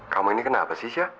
kamu ini kenapa sih chea